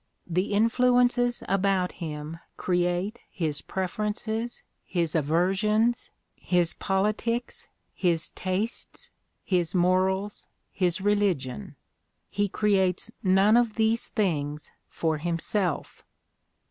... The influences about him create his preferences, his aversions, his politics, his tastes, his morals, his religion. He creates none of these things for himself.